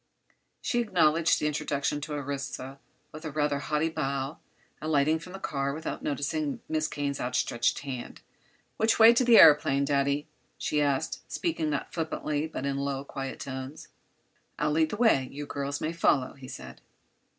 She acknowledged the introduction to Orissa with a rather haughty bow, alighting from the car without noticing Miss Kane's outstretched hand. "Which way is the aëroplane, Daddy?" she asked, speaking not flippantly, but in low, quiet tones. "I'll lead the way; you girls may follow," he said.